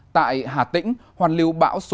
tại hà tĩnh hoàn lưu bão số sáu